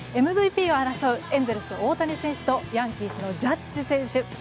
ＭＶＰを争うエンゼルス、大谷選手とヤンキースのジャッジ選手。